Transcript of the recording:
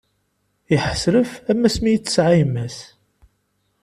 Iḥḥesref, am asmi i t-tesɛa imma-s.